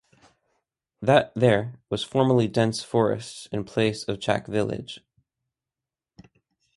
That there was formerly dense forest in place of Chak village.